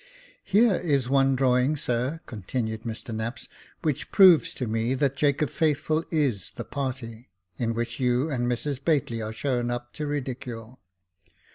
" Here is one drawing, sir," continued Mr Knapps, " which proves to me that Jacob Faithful is the party ; in which you and Mrs Bately are shown up to ridicule.